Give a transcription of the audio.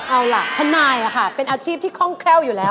เอาล่ะทนายเป็นอาชีพที่คล่องแคล่วอยู่แล้ว